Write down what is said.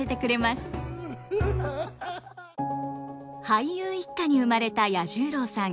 俳優一家に生まれた彌十郎さん。